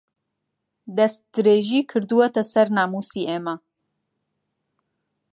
دەستدرێژی کردووەتە سەر ناموسی ئێمە